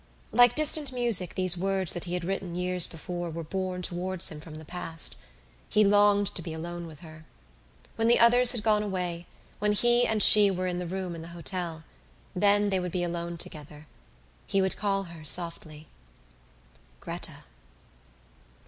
Like distant music these words that he had written years before were borne towards him from the past. He longed to be alone with her. When the others had gone away, when he and she were in their room in the hotel, then they would be alone together. He would call her softly: "Gretta!"